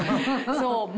そう。